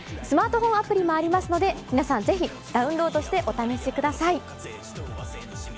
スマートフォンアプリもありますので、皆さんぜひダウンロードしてお試しください。